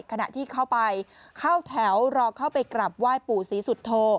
ขณะที่เข้าไปเข้าแถวรอเข้าไปกลับไหว้ปู่ศรีสุโธ